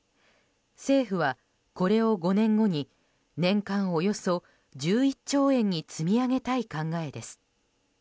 政府はこれを５年後に年間およそ１１兆円に積み上げたい考えです。